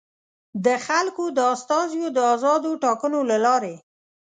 د خلکو د استازیو د ازادو ټاکنو له لارې.